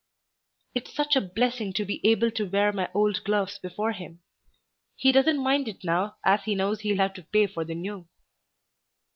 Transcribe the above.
"It's such a blessing to be able to wear my old gloves before him. He doesn't mind it now as he knows he'll have to pay for the new."